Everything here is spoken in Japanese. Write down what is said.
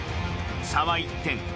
差は１点。